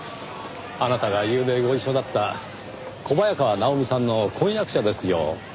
あなたがゆうべご一緒だった小早川奈穂美さんの婚約者ですよ。